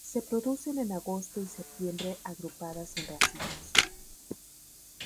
Se producen en agosto y septiembre agrupadas en racimos.